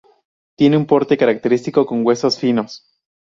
Tiene un porte característico con huesos finos.